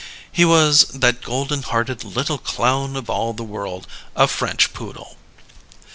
_" He was that golden hearted little clown of all the world, a French Poodle.